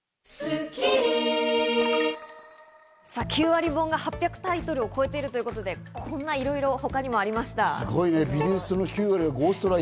９割本が８００タイトルを超えているということで、こんなにいろいろ他にもありました。